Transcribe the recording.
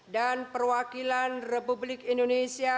dan perwakilan republik indonesia